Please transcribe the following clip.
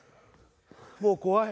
もう怖い。